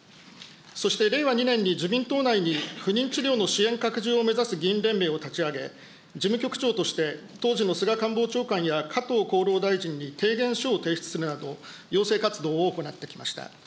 そして、令和２年に自民党内に不妊治療の拡充を目指す議員連盟を立ち上げ、事務局長として、当時の菅官房長官や加藤厚労大臣に、提言書を提出するなど要請活動を行ってきました。